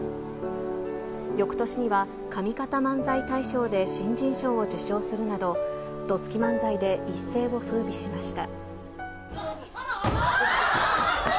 よくとしには、上方漫才大賞で新人賞を受賞するなど、どつき漫才で一世をふうびしました。